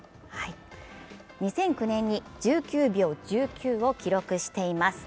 ２００９年に１９秒１９を記録しています。